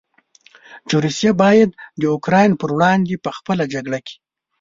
چې روسیه باید د اوکراین پر وړاندې په خپله جګړه کې.